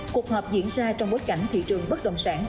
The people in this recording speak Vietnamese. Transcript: cuộc họp diễn ra trong bối cảnh thị trường bất động sản